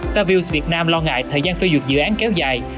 sao views việt nam lo ngại thời gian phê duyệt dự án kéo dài